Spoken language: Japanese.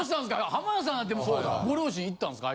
浜田さんなんてご両親行ったんですか？